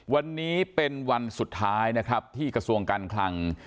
วันนี้เป็นวันสุดท้ายนะครับที่กระทรวงการคลัง